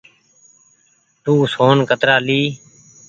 تو سون ڪترآ لي۔